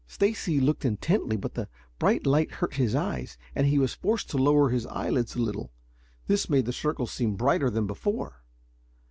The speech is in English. Stacy looked intently, but the bright light hurt his eyes and he was forced to lower his eyelids a little. This made the circle seem brighter than before.